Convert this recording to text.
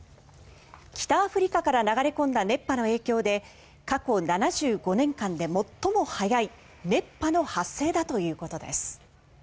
北アフリカから流れ込んだ熱波の影響で過去７５年間で最も早い熱波の発生だということです。